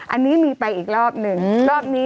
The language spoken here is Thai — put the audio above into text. อันนี้มีไปอีกรอบนึงลงมา